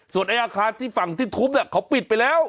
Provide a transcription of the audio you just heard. ส่วนไอ้อาคารที่ฝั่งที่ทุบเขาปิดไปแล้ว